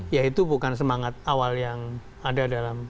ya itu bukan semangat awal yang ada dalam